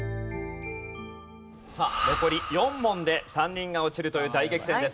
さあ残り４問で３人が落ちるという大激戦です。